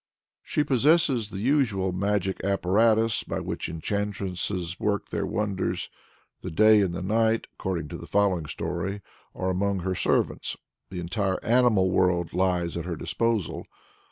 She possesses the usual magic apparatus by which enchantresses work their wonders; the Day and the Night (according to the following story) are among her servants, the entire animal world lies at her disposal.